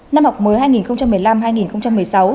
năm học mới hai nghìn một mươi năm hai nghìn một mươi sáu